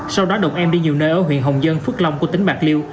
sau đó động em đi nhiều nơi ở huyện hồng dân phước long của tỉnh bạc liêu